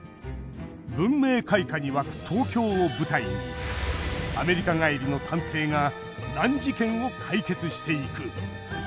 文明開化に沸く東京を舞台にアメリカ帰りの探偵が難事件を解決していく！